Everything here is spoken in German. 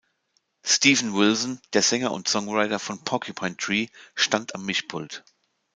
Steven Wilson, der Sänger und Songwriter von Porcupine Tree, stand am Mischpult.